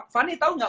van lo tau gak